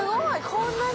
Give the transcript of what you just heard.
こんなに？